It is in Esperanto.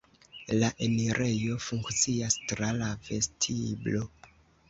La enirejo funkcias tra la vestiblo.